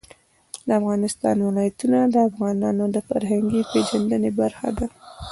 د افغانستان ولايتونه د افغانانو د فرهنګي پیژندنې برخه ده.